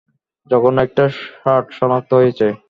জঘন্য একটা শার্ট সনাক্ত হয়েছে।